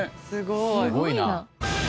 すごいな。